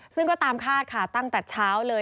ซึ่งก็ตามคาดค่ะตั้งแต่เช้าเลย